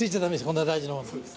こんな大事な物。